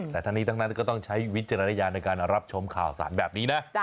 แต่ทั้งนี้ทั้งนั้นก็ต้องใช้วิจารณญาณในการรับชมข่าวสารแบบนี้นะ